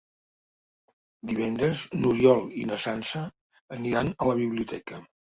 Divendres n'Oriol i na Sança aniran a la biblioteca.